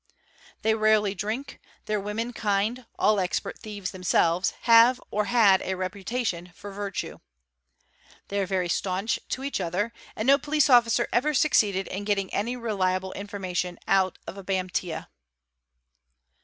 They rarely drink; their womenkind, all expert thieves them selves, have or had a reputation for virtue. They are very staunch to each other, and no police officer ever succeeded in getting any reliable | information out of a Bamptia."